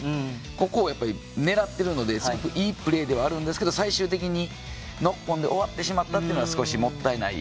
ここを狙っているのですごくいいプレーではあるんですけど最終的にノックオンで終わってしまったというのが少しもったいない。